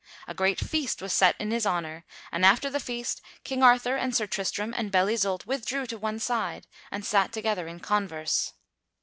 A great feast was set in his honor, and after the feast King Arthur and Sir Tristram and Belle Isoult withdrew to one side and sat together in converse.